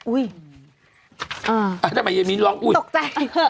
อุ๊ยอ่าเอ้ยทำไมเยมีนลองอุ๊ยตกใจ